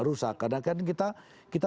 rusak karena kan kita